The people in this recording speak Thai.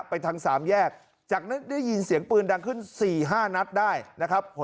ไปทางสามแยกจากนั้นได้ยินเสียงปืนดังขึ้น๔๕นัดได้นะครับ